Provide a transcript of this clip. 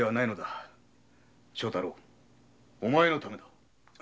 正太郎お前のためだ。